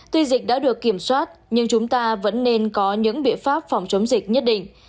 tuy dịch đã được kiểm soát nhưng chúng ta vẫn nên có những biện pháp phòng chống dịch nhất định